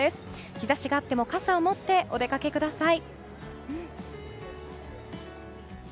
日差しがあっても傘を持ってお出かけください。